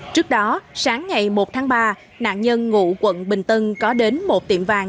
trước đó sáng ngày một tháng ba nạn nhân ngụ quận bình tân có đến một tiệm vàng